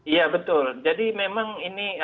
iya betul jadi memang ini